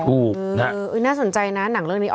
ถูกน่าสนใจนะหนังเรื่องนี้